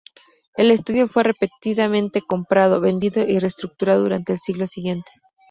El estudio fue repetidamente comprado, vendido y reestructurado durante el siglo siguiente.